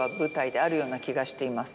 であるような気がしています。